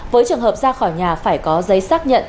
với trường hợp ra khỏi nhà phải có giấy xác nhận